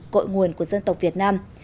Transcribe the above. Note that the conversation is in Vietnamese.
cội nguồn của dân tộc việt nam